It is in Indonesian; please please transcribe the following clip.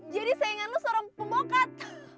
jadi sayangan lu seorang pembokat